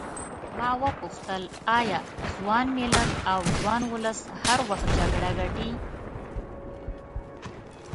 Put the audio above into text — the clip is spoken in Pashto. ما وپوښتل ایا ځوان ملت او ځوان ولس هر وخت جګړه ګټي.